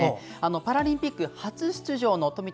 パラリンピック初出場の富田